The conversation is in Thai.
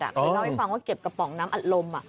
ไปเล่าให้ฟังว่าเก็บกระป๋องน้ำอัดลม